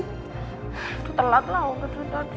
itu telat lah obat obatan